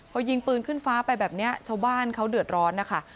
พอยิงปืนขึ้นฟ้าไปแบบนี้ชาวบ้านเขาเดือดร้อนนะคะ